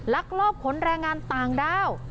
ลักลอบขนแรงงานต่างด้าว